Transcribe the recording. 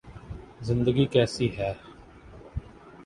زندگی کیسی ہے